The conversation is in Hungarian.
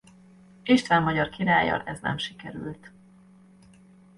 István magyar királlyal ez nem sikerült.